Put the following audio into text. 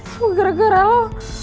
semua gara gara lo